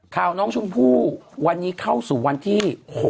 ข่าวน้องชมพู่วันนี้เข้าสู่วันที่๖